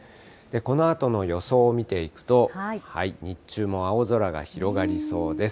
このあとの予想を見ていくと、日中も青空が広がりそうです。